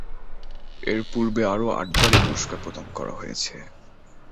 এরপূর্বে আরও আটবার এ পুরস্কার প্রদান করা হয়েছে।